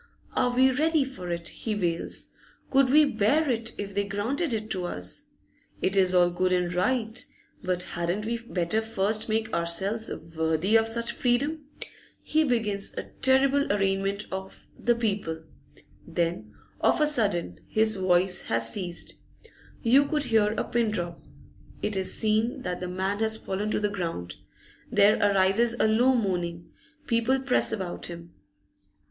Are we ready for it? he wails. Could we bear it, if they granted it to us? It is all good and right, but hadn't we better first make ourselves worthy of such freedom? He begins a terrible arraignment of the People, then, of a sudden, his voice has ceased. You could hear a pin drop. It is seen that the man has fallen to the ground; there arises a low moaning; people press about him.